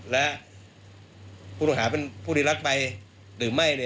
และผู้ต้องหาเป็นผู้ที่รักไปหรือไม่